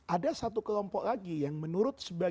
ada satu kelompok lagi yang menurut sebagian